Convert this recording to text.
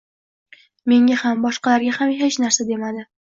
Menga ham, boshqalarga ham hech narsa demadi.